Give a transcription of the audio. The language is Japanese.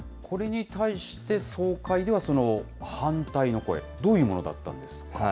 これに対して、総会では反対の声、どういうものだったんです